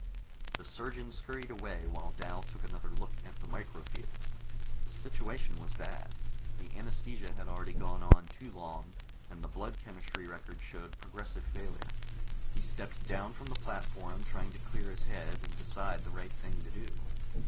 The surgeon scurried away while Dal took another look at the micro field. The situation was bad; the anaesthesia had already gone on too long, and the blood chemistry record showed progressive failure. He stepped down from the platform, trying to clear his head and decide the right thing to do.